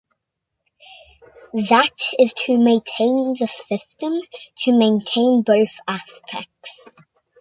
That is to maintain the system to maintain both aspects.